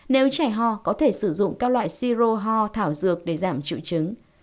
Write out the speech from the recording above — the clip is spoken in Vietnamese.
nếu trẻ ho có thể sử dụng các loại siro ho thảo dược để giảm trụ trứng